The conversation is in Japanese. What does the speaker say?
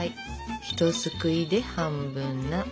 ひとすくいで半分な感じ。